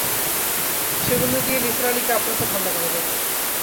সেগুলো দিয়ে নিসার আলিকে আপাতত ঠাণ্ডা করা যাবে।